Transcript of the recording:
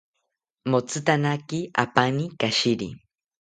Motzitanaki apani kashiri